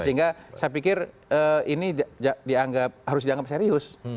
sehingga saya pikir ini harus dianggap serius